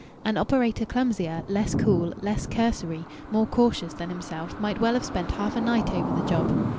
An operator clumsier, less cool, less cursory, more cautious than himself might well have spent half a night over the job.